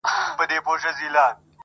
تر تا د مخه ما پر ایښي دي لاسونه!!